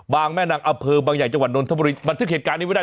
บางแม่นักอเภอบางอย่างจังหวัดโดรนธมรีมันถึงเหตุการณ์นี้ไม่ได้